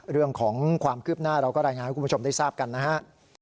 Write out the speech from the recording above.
เรื่องของความคืบหน้าเราก็รายงานให้คุณผู้ชมได้ทราบกันนะฮะ